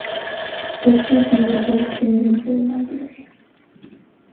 This will be a big saving for the Library.